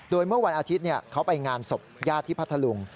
โดยเมื่อวันอาทิตย์เขาไปงานศพญาติที่พัทธลุง